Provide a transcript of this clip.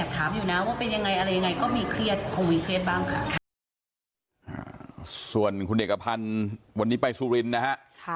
ส่วนคุณเอกพันธ์วันนี้ไปสุรินทร์นะฮะ